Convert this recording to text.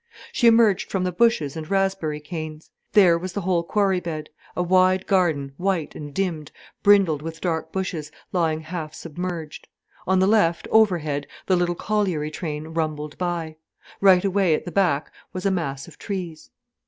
She emerged from the bushes and raspberry canes. There was the whole quarry bed, a wide garden white and dimmed, brindled with dark bushes, lying half submerged. On the left, overhead, the little colliery train rumbled by. Right away at the back was a mass of trees.